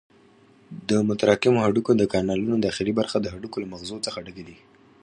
د متراکمو هډوکو د کانالونو داخلي برخه د هډوکو له مغزو څخه ډکې دي.